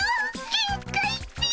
限界っピ！